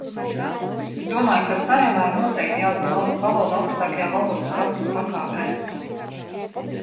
Es domāju, ka Saeimā ir noteikti jāzina valsts valoda augstākajā valodas prasmes pakāpē.